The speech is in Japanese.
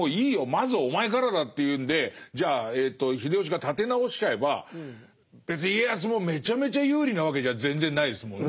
まずお前からだっていうんでじゃあ秀吉が立て直しちゃえば別に家康もめちゃめちゃ有利なわけじゃ全然ないですもんね。